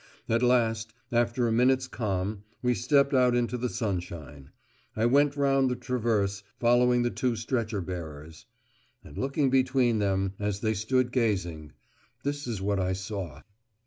At last, after a minute's calm, we stepped out into the sunshine. I went round the traverse, following the two stretcher bearers. And looking between them, as they stood gazing, this is what I saw.